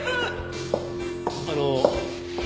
あの。